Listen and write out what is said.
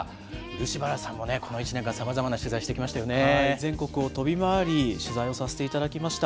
漆原さんもね、この１年間さまざまな取材、全国を飛び回り、取材をさせていただきました。